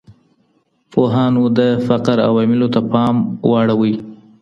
پوهانو د فقر عواملو ته پام واړوه.